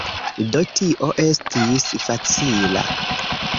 Do tio estis facila.